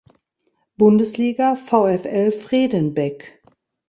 Bundesliga: VfL Fredenbeck.